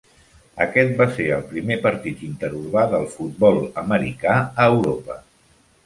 Aquest va ser el primer partit interurbà del futbol americà a Europa.